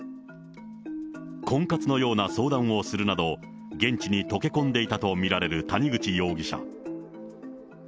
婚活のような相談をするなど、現地にとけ込んでいたと見られる谷口容疑者。